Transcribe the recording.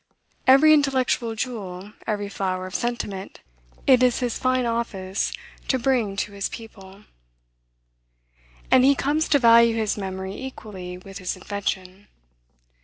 Every intellectual jewel, every flower of sentiment, it is his fine office to bring to his people; and he comes to value his memory equally with his invention.